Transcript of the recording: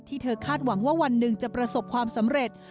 เธอคาดหวังว่าวันหนึ่งจะประสบความสำเร็จ